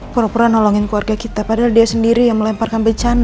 pura pura nolongin keluarga kita padahal dia sendiri yang melemparkan becanda